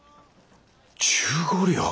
１５両？